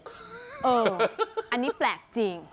อันนี้แปลกจริง